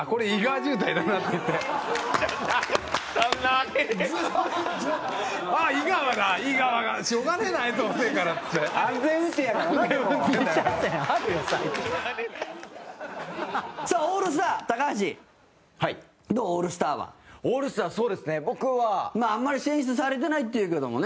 中居：あんまり選出されてないって言うけどもね。